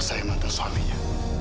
dan saya mantan suaminya